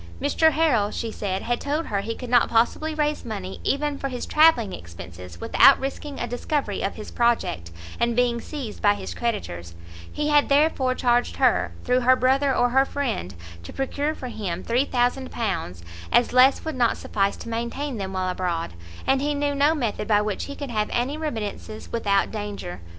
Mr Harrel, she said, had told her he could not possibly raise money even for his travelling expences, without risking a discovery of his project, and being seized by his creditors; he had therefore charged her, through her brother or her friend, to procure for him £3000, as less would not suffice to maintain them while abroad, and he knew no method by which he could have any remittances without danger.